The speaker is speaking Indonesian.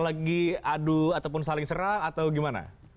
banyak lagi adu ataupun saling serang atau gimana